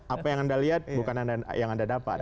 apa yang anda lihat bukan yang anda dapat